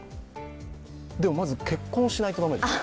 でもまず、結婚しないと駄目でしょ？